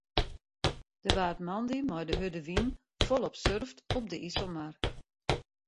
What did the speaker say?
Der waard moandei mei de hurde wyn folop surft op de Iselmar.